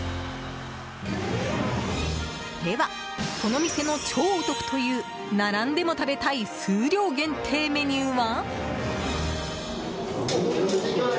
では、この店の超お得という並んでも食べたい数量限定メニューは？